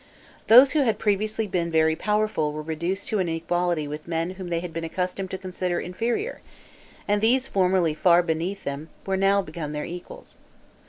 Those who had previously been very powerful were reduced to an equality with men whom they had been accustomed to consider inferior; and those formerly far beneath them were now become their equals.